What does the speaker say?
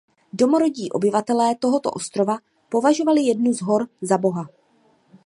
Domorodí obyvatelé tohoto ostrova považovali jednu z hor za boha.